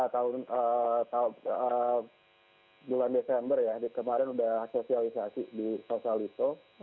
tahun bulan desember ya kemarin sudah sosialisasi di sosial itu